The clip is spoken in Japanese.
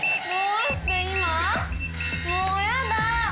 もうやだ！